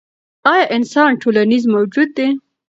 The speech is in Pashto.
ایا انسان ټولنیز موجود دی؟